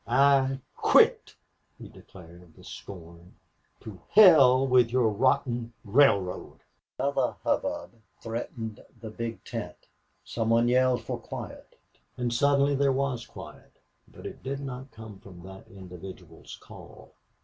"I quit," he declared, with scorn. "To hell with your rotten railroad!" Another hubbub threatened in the big tent. Some one yelled for quiet. And suddenly there was quiet, but it did not come from that individual's call.